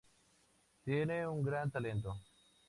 Tiene un gran talento.